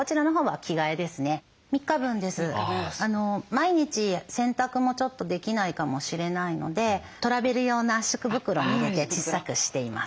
毎日洗濯もちょっとできないかもしれないのでトラベル用の圧縮袋に入れて小さくしています。